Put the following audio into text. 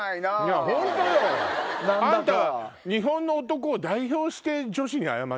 あんた。